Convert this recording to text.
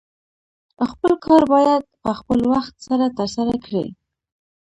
خپل کار باید په خپل وخت سره ترسره کړې